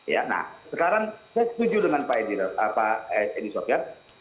ya nah sekarang saya setuju dengan pak edi sofian